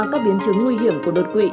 các biến chứng nguy hiểm của đột quỵ